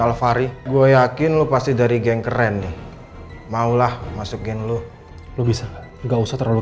alvari gua yakin lu pasti dari geng keren nih maulah masukin lu lu bisa nggak usah terlalu